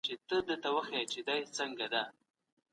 اګوستین د خپل دین کلکه دفاع کوله.